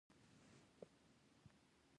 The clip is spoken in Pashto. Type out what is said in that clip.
اوس غواړي خپله ځمکه بېرته واخلي.